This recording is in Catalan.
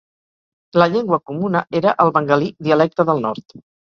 La llengua comuna era el bengalí dialecte del nord.